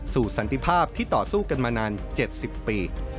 สันติภาพที่ต่อสู้กันมานาน๗๐ปี